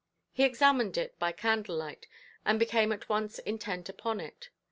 He examined it by the candlelight, and became at once intent upon it.